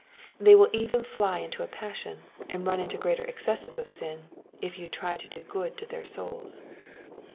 They will even fly into a passion, and run into greater excesses of sin, if you try to do good to their souls.